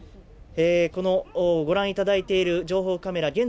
このご覧いただいている情報カメラ